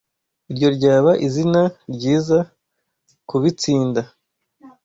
Iryo ryaba izina ryiza kubitsinda.